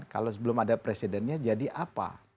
kalau sebelum ada presidennya jadi apa